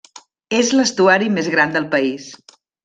És l'estuari més gran del país.